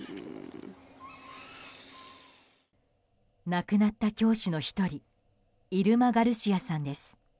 亡くなった教師の１人イルマ・ガルシアさんです。